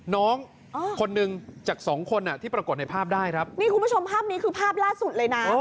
น้องคนหนึ่งจากสองคนอ่ะที่ปรากฏในภาพได้ครับนี่คุณผู้ชมภาพนี้คือภาพล่าสุดเลยนะ